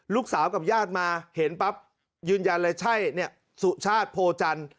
กับญาติมาเห็นปั๊บยืนยันเลยใช่เนี่ยสุชาติโพจันทร์